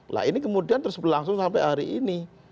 nah ini kemudian terus berlangsung sampai hari ini